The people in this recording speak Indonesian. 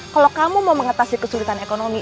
kalau kamu mau mengatasi kesulitan ekonomi